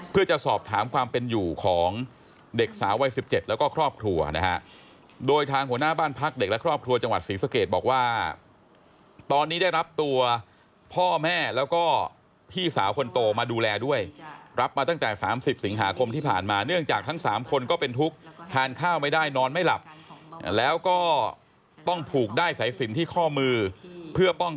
เพื่อจะสอบถามความเป็นอยู่ของเด็กสาววัย๑๗แล้วก็ครอบครัวนะฮะโดยทางหัวหน้าบ้านพักเด็กและครอบครัวจังหวัดศรีสะเกดบอกว่าตอนนี้ได้รับตัวพ่อแม่แล้วก็พี่สาวคนโตมาดูแลด้วยรับมาตั้งแต่๓๐สิงหาคมที่ผ่านมาเนื่องจากทั้งสามคนก็เป็นทุกข์ทานข้าวไม่ได้นอนไม่หลับแล้วก็ต้องผูกได้สายสินที่ข้อมือเพื่อป้อง